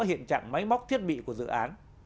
hiện trạng máy móc thiết bị của dự án